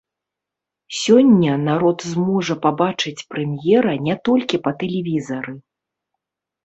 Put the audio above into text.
Сёння народ зможа пабачыць прэм'ера не толькі па тэлевізары.